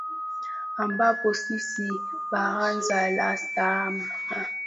ambapo sisi baraza la sanaa